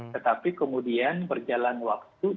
tetapi kemudian berjalan waktu